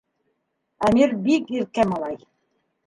Әмир бик иркә малай.